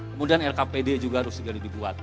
kemudian rkpd juga harus segera dibuat